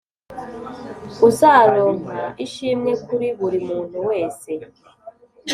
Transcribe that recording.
uzaronka ishimwe kuri buri muntu wese.